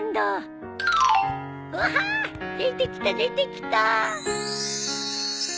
出てきた出てきた。